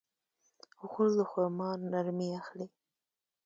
غول د خرما نرمي اخلي.